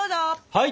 はい！